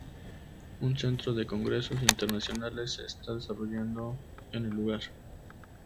Un centro de congresos internacionales se está desarrollando en el lugar.